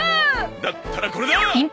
だったらこれだ！